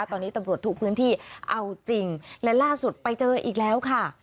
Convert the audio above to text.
ตอนนี้ตำรวจทุกพื้นที่เอาจริงและล่าสุดไปเจออีกแล้วค่ะ